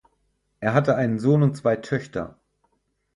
Er hatte einen Sohn und zwei Töchter.